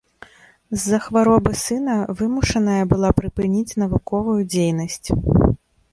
З-за хваробы сына вымушаная была прыпыніць навуковую дзейнасць.